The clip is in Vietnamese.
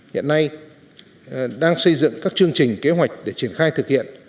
hiện nay đang xây dựng các chương trình kế hoạch để triển khai thực hiện